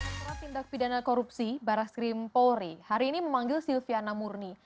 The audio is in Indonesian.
ketua tindak pidana korupsi baraskrim polri hari ini memanggil silviana murni